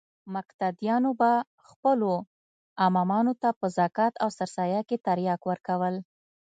مقتديانو به خپلو امامانو ته په زکات او سرسايه کښې ترياک ورکول.